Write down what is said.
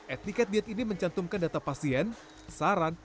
etniket diet ini mencantumkan data pasien saran